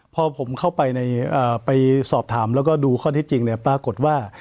พอผมเข้าไปสอบถามแล้วก็ดูข้อที่จริงเนี่ยปรากฏว่า